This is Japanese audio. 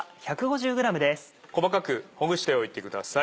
細かくほぐしておいてください。